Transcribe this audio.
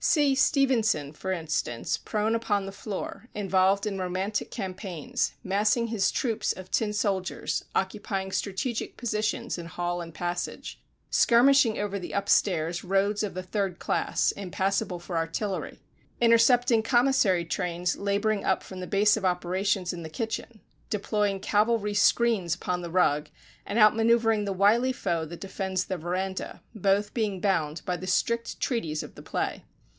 See Stevenson, for instance, prone upon the floor, involved in romantic campaigns, massing his troops of tin soldiers, occupying strategic positions in hall and passage, skirmishing over the upstairs "roads of the Third Class, impassable for artillery," intercepting commissary trains labouring up from the Base of Operations in the kitchen, deploying cavalry screens upon the rug, and out manoeuvering the wily foe that defends the verandah, both being bound by the strict treaties of the play.